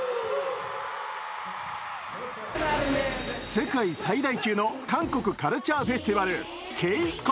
世界最大級の韓国カルチャーフェスティバル、ＫＣＯＮ。